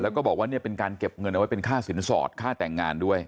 แล้วก็บอกว่าเนี่ยเป็นการเก็บเงินเอาไว้เป็นค่าสินสอดค่าแต่งงานด้วย